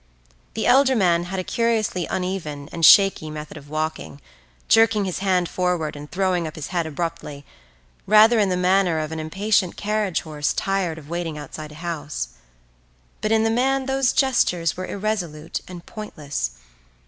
The elder man had a curiously uneven and shaky method of walking, jerking his hand forward and throwing up his head abruptly, rather in the manner of an impatient carriage horse tired of waiting outside a house; but in the man these gestures were irresolute and pointless.